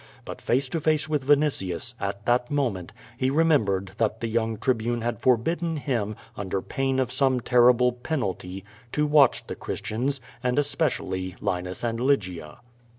But face to face with Vinitius, at that moment, he remembered that the young Tribune had forbidden him, under pain of some terrible penalty, to watch the Christians, and especially Linus and Lygia.